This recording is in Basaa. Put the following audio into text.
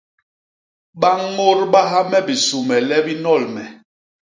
Ba ñôdbaha me bisume le bi nol me.